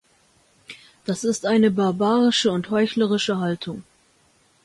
Das ist eine barbarische und heuchlerische Haltung.